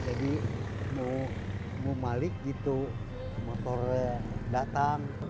jadi mau balik gitu motornya datang